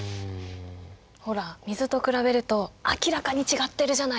ほら水と比べると明らかに違ってるじゃない。